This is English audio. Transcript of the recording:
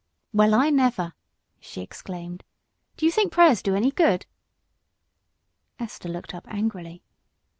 "Well, I never!" she exclaimed. "Do you think prayers any good?" Esther looked up angrily.